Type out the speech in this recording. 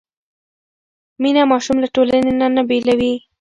مینه ماشوم له ټولنې نه بېلوي نه.